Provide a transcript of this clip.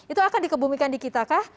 itu akan dikebumikan di kita kah